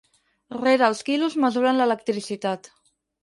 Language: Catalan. Rere els quilos mesuren l'electricitat.